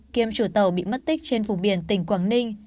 kiêm chủ tàu bị mất tích trên vùng biển tỉnh quảng ninh